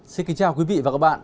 xin kính chào quý vị và các bạn